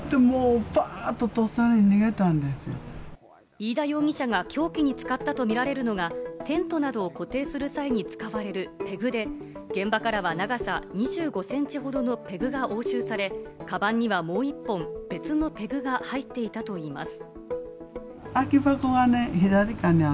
飯田容疑者が凶器に使ったとみられるのが、テントなどを固定する際に使われるペグで、現場からは長さ２５センチほどのペグが押収され、かばんにはもう１本別のペグが入っていたといいます。